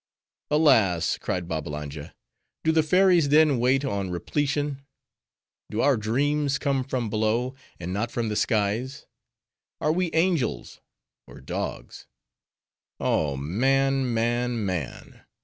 "Alas," cried Babbalanja, "do the fairies then wait on repletion? Do our dreams come from below, and not from the skies? Are we angels, or dogs? Oh, Man, Man, Man!